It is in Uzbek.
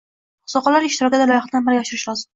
Oqsoqollar ishtirokida loyihani amalga oshirish lozim.